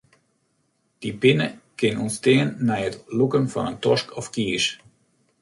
Dy pine kin ûntstean nei it lûken fan in tosk of kies.